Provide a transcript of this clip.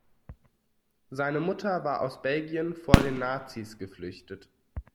Seine Mutter war aus Belgien vor den Nazis geflüchtet.